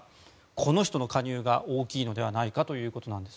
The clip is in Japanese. この人の加入が大きいのではないかということです。